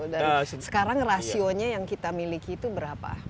dan sekarang rasionya yang kita miliki itu berapa